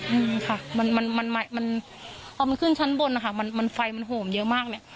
อืมค่ะมันมันมันเอามันขึ้นชั้นบนนะคะมันมันไฟมันโหมเยอะมากเนี้ย